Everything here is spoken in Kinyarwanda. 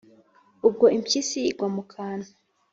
” Ubwo impyisi igwa mu kantu,